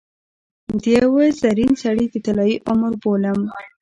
د یوه زرین سړي د طلايي عمر بولم.